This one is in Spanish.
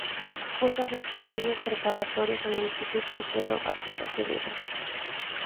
Cursa sus estudios preparatorios en el Instituto Alfredo Vásquez Acevedo.